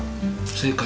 正解。